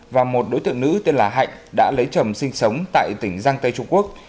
và một đối tượng nữ tên là hạnh đã lấy chồng sinh sống tại tỉnh giang tây trung quốc